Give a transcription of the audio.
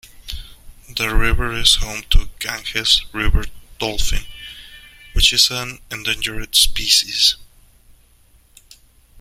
The river is home to Ganges river dolphin, which is an endangered species.